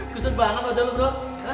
kusut banget aja lu bro